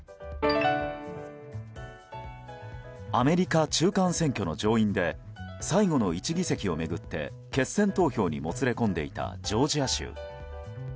アメリカ中間選挙の上院で最後の１議席を巡って決選投票にもつれ込んでいたジョージア州。